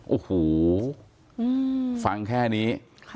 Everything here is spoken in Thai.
โอ้โหฟังแค่นี้